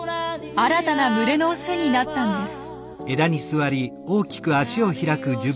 新たな群れのオスになったんです。